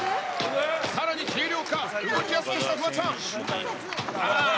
さらに軽量化、動きやすくしたフワちゃん。